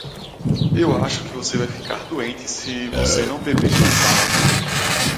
Eu acho que você vai ficar doente se você não beber mais água.